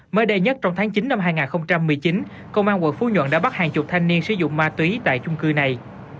mới đây nhất trong tháng chín năm hai nghìn một mươi chín công an quận phú nhuận đã bắt hàng chục thanh niên sử dụng ma túy tại chung cư này